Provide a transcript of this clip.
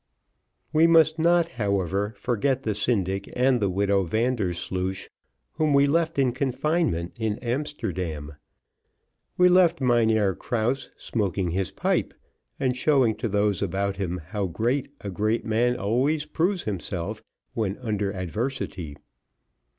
We must not, however, forget the syndic and the widow Vandersloosh, whom we left in confinement at Amsterdam. We left Mynheer Krause smoking his pipe, and showing to those about him how great a great man always proves himself when under adversity.